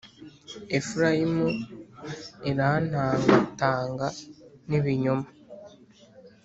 Efurayimu irantangatanga n’ibinyoma,